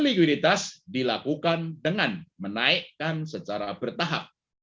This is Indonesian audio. likuiditas dilakukan dengan menaikkan secara bertahap